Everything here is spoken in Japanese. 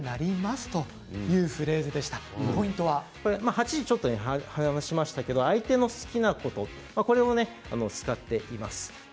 ８時台にもお話ししましたが相手の好きなことを使っています。